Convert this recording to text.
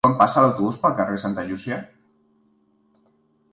Quan passa l'autobús pel carrer Santa Llúcia?